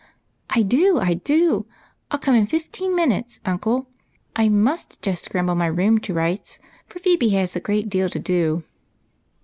" I do ! I do ! I '11 come in fifteen minutes, uncle. I must just scrabble my room to rights, for Phebe has got a great deal to do."